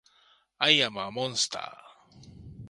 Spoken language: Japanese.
アイアムアモンスター